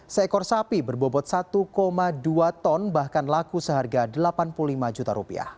seekor sapi berbobot satu dua ton bahkan laku seharga rp delapan puluh lima juta